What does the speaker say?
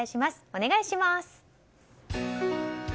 お願いします。